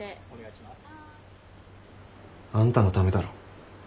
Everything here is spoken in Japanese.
はーい。あんたのためだろ。